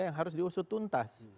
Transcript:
yang harus diusut tuntas